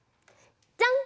じゃん！